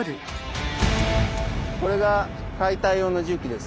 これが解体用の重機です。